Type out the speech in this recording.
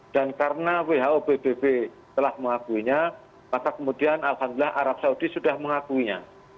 dan karena who bbb telah mengakuinya maka kemudian alhamdulillah arab saudi sudah mengakuinya